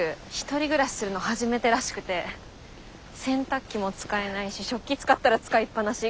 １人暮らしするの初めてらしくて。洗濯機も使えないし食器使ったら使いっぱなし。